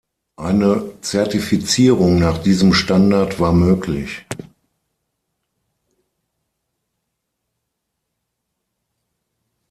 Eine Zertifizierung nach diesem Standard war möglich.